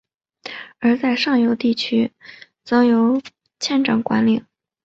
而在上游地区则由酋长管领。